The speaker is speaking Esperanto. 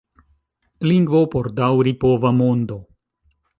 Lingvo por daŭripova mondo.